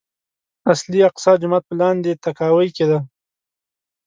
اصلي اقصی جومات په لاندې تاكاوۍ کې دی.